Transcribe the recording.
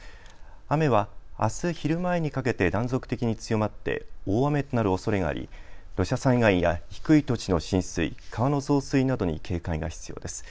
雨はあす昼前にかけて断続的に強まって大雨となるおそれがあり土砂災害や低い土地の浸水、川の増水などに警戒が必要です。